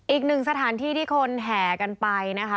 อีกหนึ่งสถานที่ที่คนแห่กันไปนะคะ